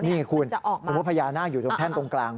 นี่คุณสมมุติพญานาคอยู่ตรงแท่นตรงกลาง